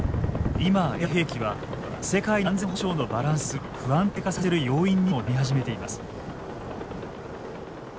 今ＡＩ兵器は世界の安全保障のバランスを不安定化させる要因にもなり始めています。